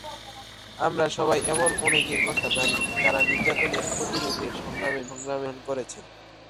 আমরা সবাই এমন অনেকের কথা জানি, যাঁরা নির্যাতন প্রতিরোধের সংগ্রামে মৃত্যুবরণ করেছেন।